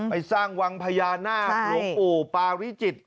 ไปสร้างวังพญานาคหลวงปู่ปาวิจิตร